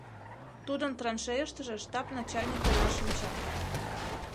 Тудын траншейыштыже штаб начальник гына шинча.